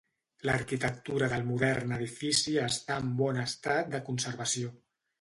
L'arquitectura del modern edifici està en bon estat de conservació.